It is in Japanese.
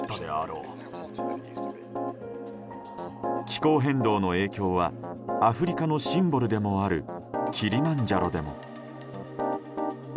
気候変動の影響はアフリカのシンボルでもあるキリマンジャロでも。